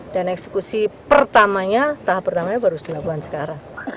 dan eksekusi pertamanya tahap pertamanya baru dilakukan sekarang